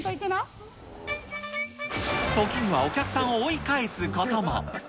時にはお客さんを追い返すことも。